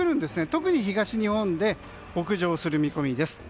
特に東日本で北上する見込みです。